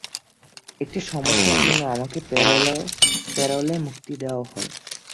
একটা সমস্যার জন্য আমাকে প্যারোলে মুক্তি দেওয়া হয়।